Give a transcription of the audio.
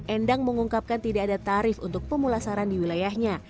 endang mengungkapkan tidak ada tarif untuk pemulasaran di wilayahnya